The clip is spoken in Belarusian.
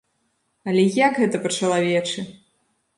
Але як гэта па-чалавечы!